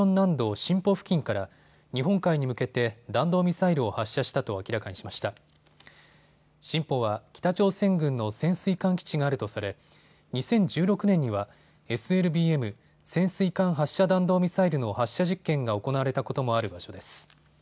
シンポは北朝鮮軍の潜水艦基地があるとされ２０１６年にはＳＬＢＭ・潜水艦発射弾道ミサイルの発射実験が行われたこともある場所です。